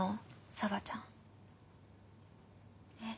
紗和ちゃん。えっ？